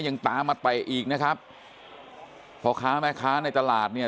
ยังตามมาเตะอีกนะครับพ่อค้าแม่ค้าในตลาดเนี่ย